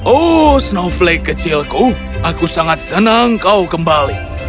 oh snowflake kecilku aku sangat senang kau kembali